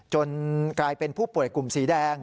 กลายเป็นผู้ป่วยกลุ่มสีแดง